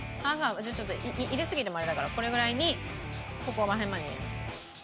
ちょっと入れすぎてもあれだからこれぐらいにここら辺まで。